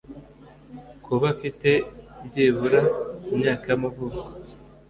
Kuba afite byibura imyaka y amavuko